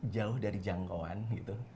jauh dari jangkauan gitu